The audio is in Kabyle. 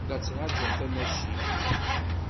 La ttṛajuɣ tamacint.